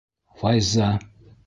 Файза!